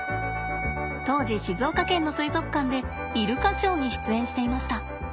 当時静岡県の水族館でイルカショーに出演していました。